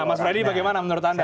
nah mas brady bagaimana menurut anda